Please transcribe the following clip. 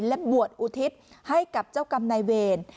และบวชอุทิศให้กับเจ้ากรรมนายเวร